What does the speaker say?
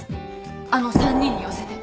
あの３人に寄せて。